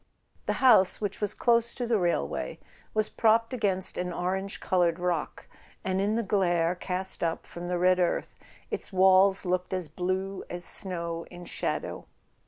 The house, which was close to the railway, was propped against an orange coloured rock, and in the glare cast up from the red earth its walls looked as blue as snow in shadow.